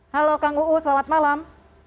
halo kang uu selamat malam